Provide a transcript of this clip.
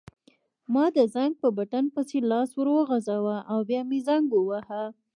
ما د زنګ په بټن پسې لاس وروغځاوه او بیا مې زنګ وواهه.